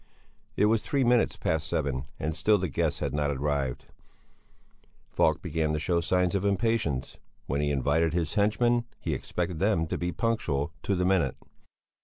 It was three minutes past seven and still the guests had not arrived. Falk began to show signs of impatience. When he invited his henchmen, he expected them to be punctual to the minute.